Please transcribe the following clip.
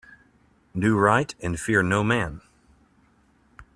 Do right and fear no man.